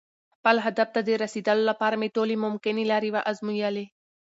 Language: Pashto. خپل هدف ته د رسېدو لپاره مې ټولې ممکنې لارې وازمویلې.